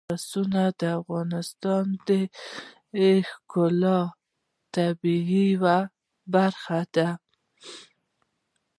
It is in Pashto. پسه د افغانستان د ښکلي طبیعت یوه برخه ده.